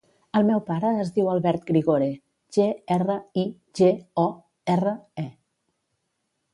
El meu pare es diu Albert Grigore: ge, erra, i, ge, o, erra, e.